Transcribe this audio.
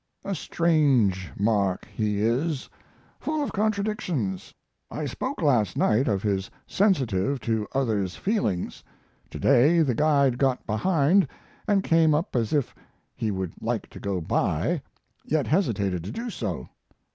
A strange Mark he is, full of contradictions. I spoke last night of his sensitive to others' feelings. To day the guide got behind, and came up as if he would like to go by, yet hesitated to do so.